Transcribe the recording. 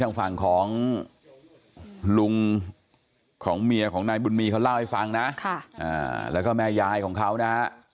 ทางฝั่งของลุงของเมียของนายบุญมีเขาเล่าให้ฟังนะแล้วก็แม่ยายของเขานะฮะ